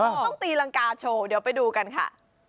ต้องตีรังกาโชว์เดี๋ยวไปดูกันค่ะ